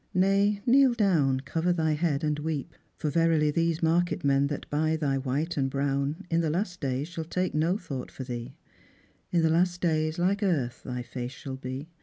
Nay, kneel down, Cover thy hea^l, and weep ; for verily These market men that buy thy white and brown In the last days shall take no thougl)t for thee. In the last days like earth thy face shall be.